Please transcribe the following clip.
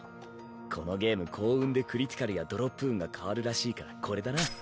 このゲーム幸運でクリティカルやドロップ運が変わるらしいからこれだな。